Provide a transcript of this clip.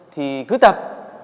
thì cứ tập